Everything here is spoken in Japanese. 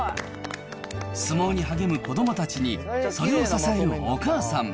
相撲に励む子どもたちに、それを支えるお母さん。